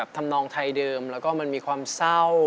ทำนองไทยเดิมแล้วก็มันมีความเศร้า